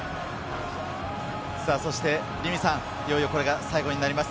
そして凛美さん、いよいよこれが最後になります。